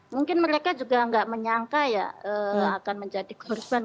mungkin mereka juga nggak menyangka ya akan menjadi korban